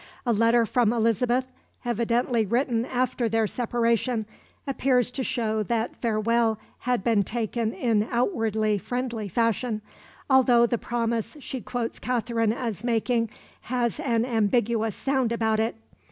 A letter from Elizabeth, evidently written after their separation, appears to show that farewell had been taken in outwardly friendly fashion, although the promise she quotes Katherine as making has an ambiguous sound about it.